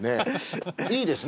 いいですね。